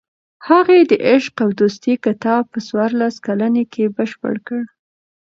هغې د "عشق او دوستي" کتاب په څوارلس کلنۍ کې بشپړ کړ.